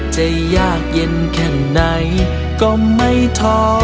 จะยากเย็นแค่ไหนก็ไม่ท้อ